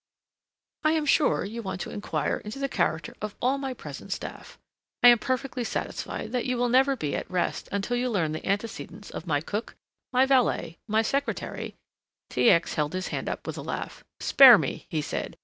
"I am sure you want to enquire into the character of all my present staff. I am perfectly satisfied that you will never be at rest until you learn the antecedents of my cook, my valet, my secretary " T. X. held up his hand with a laugh. "Spare me," he said.